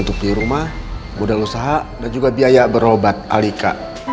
untuk dirumah modal usaha dan juga biaya berobat alika